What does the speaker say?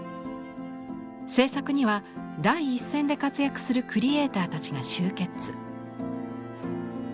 制作には第一線で活躍するクリエイターたちが集結。